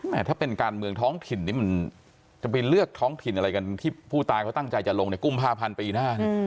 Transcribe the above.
ถ้าเป็นการเมืองท้องถิ่นนี่มันจะไปเลือกท้องถิ่นอะไรกันที่ผู้ตายเขาตั้งใจจะลงในกุมภาพันธ์ปีหน้า